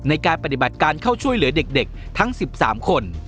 ในการปฏิบัติการเข้าช่วยเหลือเด็กทั้ง๑๓คน